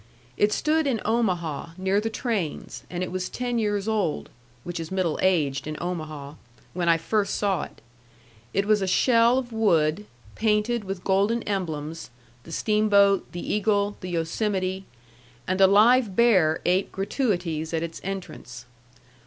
It stood in Omaha, near the trains, and it was ten years old (which is middle aged in Omaha) when I first saw it. It was a shell of wood, painted with golden emblems, the steamboat, the eagle, the Yosemite, and a live bear ate gratuities at its entrance.